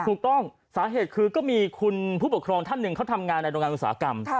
ถูกต้องสาเหตุคือก็มีคุณผู้ปกครองท่านหนึ่งเขาทำงานในโรงงานอุตสาหกรรม